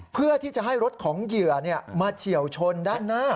เพื่อที่จะให้รถของเหยื่อมาเฉียวชนด้านหน้า